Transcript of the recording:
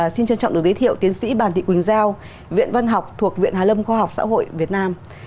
xin trân trọng được giới thiệu tiến sĩ bàn thị quỳnh giao viện văn học thuộc viện hà lâm khoa học xã hội việt nam